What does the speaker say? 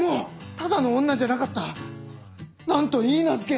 ただの女じゃなかった何と許嫁。